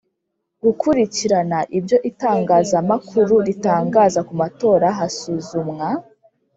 Gukurikirana ibyo itangazamakuru ritangaza ku matora hasuzumwa